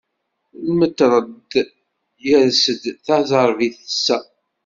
Lmetred yers-d, taẓerbit tessa.